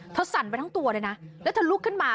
สั่นไปทั้งตัวเลยนะแล้วเธอลุกขึ้นมา